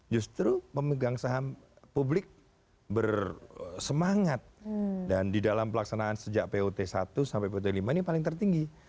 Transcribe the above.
justru pemegang saham publik bersemangat dan di dalam pelaksanaan sejak put satu sampai put lima ini paling tertinggi